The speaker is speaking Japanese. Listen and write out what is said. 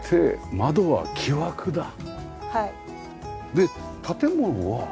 で建物は。